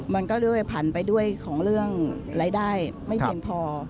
มันก็ด้วยผันไปด้วยของเรื่องรายได้ไม่เพียงพอ